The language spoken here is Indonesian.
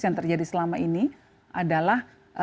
yang terjadi selama ini adalah